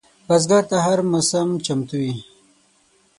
بزګر ته هره موسم چمتو وي